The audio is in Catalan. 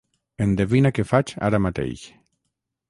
Endevina què faig ara mateix.